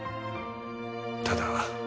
ただ